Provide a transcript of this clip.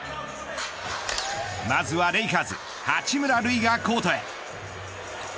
まずはレイカーズ八村塁がコートへ。